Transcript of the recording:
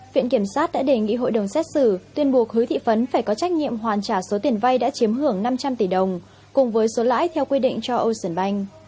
viện kiểm sát đã đề nghị hội đồng xét xử tuyên buộc hứa thị phấn phải có trách nhiệm hoàn trả số tiền vay đã chiếm hưởng năm trăm linh tỷ đồng cùng với số lãi theo quy định cho ocean bank